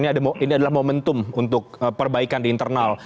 ini adalah momentum untuk perbaikan di internal